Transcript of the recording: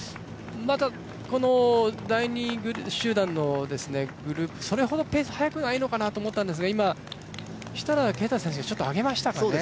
この第２集団のグループ、それほどペースは速くないのかなと思ったんですが、今、設楽啓太選手がちょっと上げましたかね。